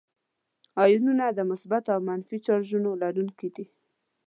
آیونونه د مثبتو او منفي چارجونو لرونکي دي.